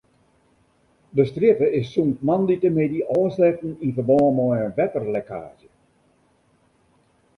De strjitte is sûnt moandeitemiddei ôfsletten yn ferbân mei in wetterlekkaazje.